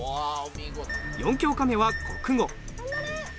４教科目は国語。